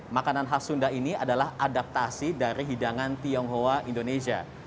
makanan khas sunda ini adalah adaptasi dari hidangan tionghoa indonesia